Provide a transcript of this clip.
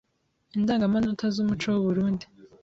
Indangamanota z’umuco w’u Burunndi